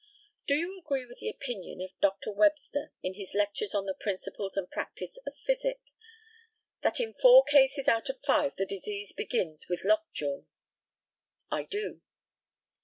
Do you agree with the opinion of Dr. Webster, in his lectures on the Principles and Practice of Physic, that in four cases out of five the disease begins with lockjaw? I do.